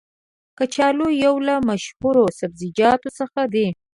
کچالو یو له مشهورو سبزیجاتو څخه دی.